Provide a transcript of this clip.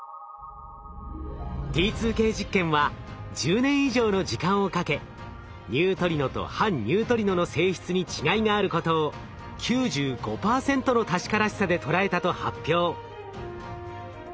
Ｔ２Ｋ実験は１０年以上の時間をかけニュートリノと反ニュートリノの性質に違いがあることを９５％の確からしさで捉えたと発表。